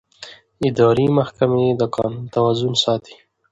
اداري محکمې د قانون توازن ساتي.